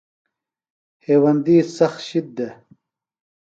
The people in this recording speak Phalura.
ہیوندی سخت شِد دےۡ۔